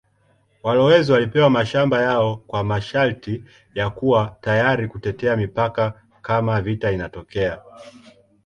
Walowezi walipewa mashamba yao kwa masharti ya kuwa tayari kutetea mipaka kama vita inatokea.